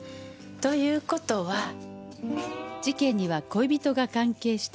という事は事件には恋人が関係している。